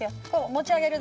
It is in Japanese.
持ち上げる。